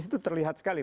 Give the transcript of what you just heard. disitu terlihat sekali